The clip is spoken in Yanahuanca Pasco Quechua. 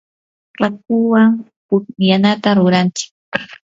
raakuwan pukllanata ruranchik.